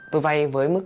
tôi vay với